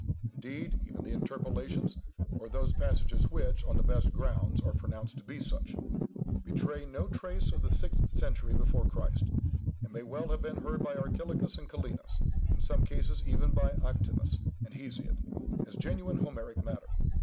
Indeed, even the interpolations (or those passages which, on the best grounds, are pronounced to be such) betray no trace of the sixth century before Christ, and may well have been heard by Archilochus and Kallinus—in some cases even by Arktinus and Hesiod—as genuine Homeric matter.